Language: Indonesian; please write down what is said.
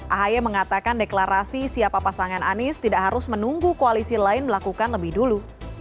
ahy mengatakan deklarasi siapa pasangan anis tidak harus menunggu koalisi lain melakukan lebih dulu